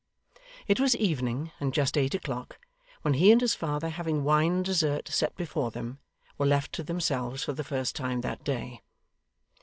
It was evening, and just eight o'clock, when he and his father, having wine and dessert set before them, were left to themselves for the first time that day.